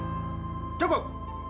cukup siti cukup